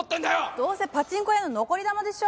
どうせパチンコの残り玉でしょ？